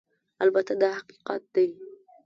البته دا حقیقت دی